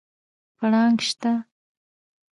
پړانګ شته؟